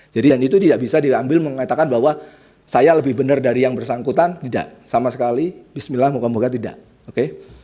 jadi yang itu tidak bisa diambil mengatakan bahwa saya lebih benar dari yang bersangkutan tidak sama sekali bismillah moga moga tidak oke